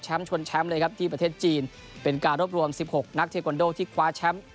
ชวนแชมป์เลยครับที่ประเทศจีนเป็นการรวบรวม๑๖นักเทควันโดที่คว้าแชมป์